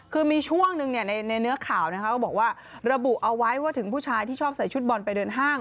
คือมีช่วงหนึ่งในเนื้อข่าวก็บอกว่าระบุเอาไว้ว่าถึงผู้ชายที่ชอบใส่ชุดบอลไปเดินห้าง